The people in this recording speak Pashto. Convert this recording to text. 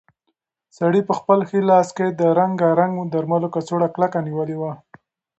سړي په خپل ښي لاس کې د رنګارنګ درملو کڅوړه کلکه نیولې وه.